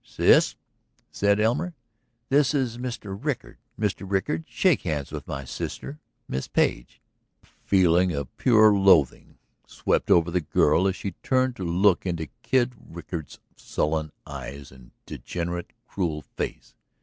"Sis," said Elmer, "this is Mr. Rickard. Mr. Rickard, shake hands with my sister, Miss Page." A feeling of pure loathing swept over the girl as she turned to look into Kid Rickard's sullen eyes and degenerate, cruel face.